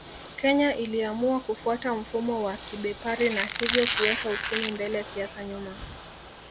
Kenya iliamua kufuata mfumo wa kibepari na hivyo kuweka uchumi mbele siasa nyuma